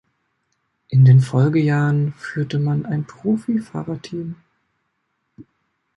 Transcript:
In den Folgejahren führte man ein Profi-Fahrerteam.